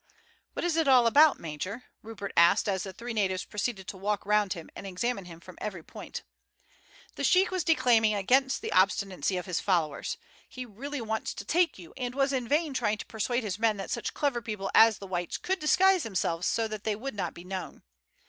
"What is it all about, major?" Rupert asked as the three natives proceeded to walk round him and examine him from every point. "The sheik was declaiming against the obstinacy of his followers. He really wants to take you, and was in vain trying to persuade his men that such clever people as the whites could disguise themselves so that they would not be known.